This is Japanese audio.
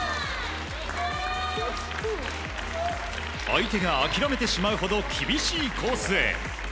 相手が諦めてしまうほど厳しいコースへ。